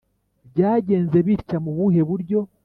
byagenze bitya mubuhe buryo!